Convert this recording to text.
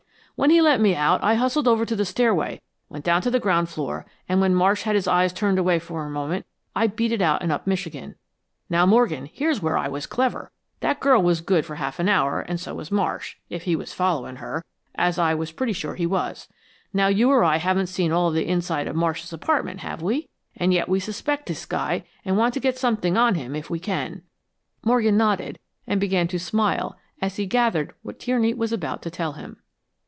'" "When he let me out I hustled over to the stairway, went down to the ground floor, and when Marsh had his eyes turned away for a minute, I beat it out and up Michigan." "Now, Morgan, here's where I was clever. That girl was good for a half hour and so was Marsh, if he was following her; as I was pretty sure he was. Now you or I haven't seen all of the inside of Marsh's apartment, have we? And yet we suspect this guy, and want to get something on him if we can." Morgan nodded, and began to smile as he gathered what Tierney was about to tell him.